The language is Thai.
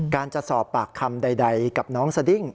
การจะสอบปากคำใดกับน้องสดิ้ง